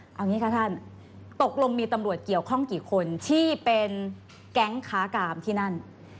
เอาอย่างนี้ค่ะท่านตกลงมีตำรวจเกี่ยวข้องกี่คนที่เป็นแก๊งค้ากามที่นั่น